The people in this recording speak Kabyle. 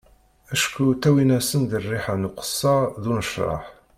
Acku ttawin-as-d rriḥa n uqessar d unecraḥ.